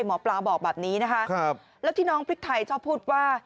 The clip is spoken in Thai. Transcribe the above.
หมอปลาบอกแบบนี้นะคะแล้วที่น้องพริกไทยชอบพูดว่า